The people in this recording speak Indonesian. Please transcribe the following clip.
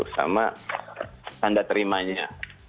sama tanda terimanya